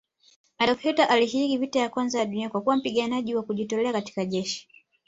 Adolf Hilter alishiriki vita ya kwanza ya dunia kwakuwa mpiganaji Wa kujitolea katika jeshi